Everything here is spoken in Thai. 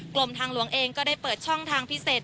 ลมทางหลวงเองก็ได้เปิดช่องทางพิเศษ